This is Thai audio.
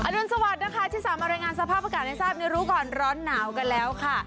รุนสวัสดิ์นะคะที่สามารถรายงานสภาพอากาศให้ทราบในรู้ก่อนร้อนหนาวกันแล้วค่ะ